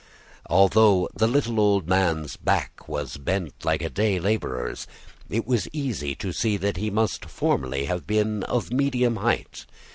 Although the little old man's back was bent like a day laborer's, it was easy to see that he must formerly have been of medium height.